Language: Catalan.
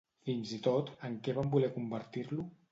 Fins i tot, en què van voler convertir-lo?